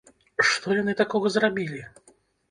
Што яны такога зрабілі?